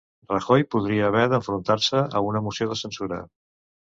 Rajoy podria haver d'enfrontar-se a una moció de censura